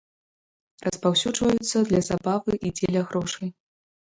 Распаўсюджваюцца для забавы і дзеля грошай.